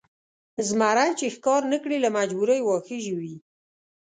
زمری چې ښکار نه کړي له مجبورۍ واښه ژوي.